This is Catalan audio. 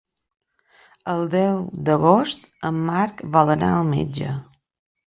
El deu d'agost en Marc vol anar al metge.